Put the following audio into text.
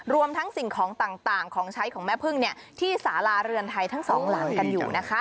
รวมทั้งสิ่งของต่างของใช้ของแม่พึ่งที่สาราเรือนไทยทั้งสองหลังกันอยู่นะคะ